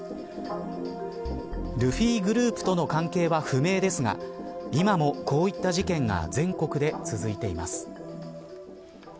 ルフィグループとの関係は不明ですが今も、こういった事件が全国で続いています。